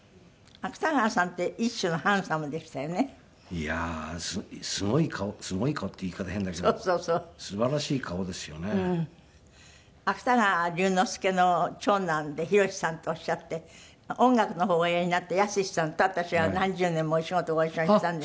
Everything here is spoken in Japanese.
芥川龍之介の長男で比呂志さんとおっしゃって音楽の方をおやりになった也寸志さんと私は何十年もお仕事ご一緒にしたんです。